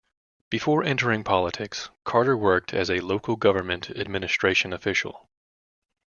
Before entering politics, Carter worked as a local government administration official.